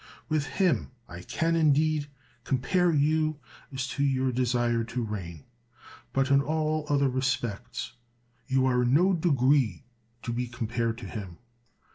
With him I can, indeed, compare you as to your desire to reign ; but in all other respects you are in no degree to be compared to him.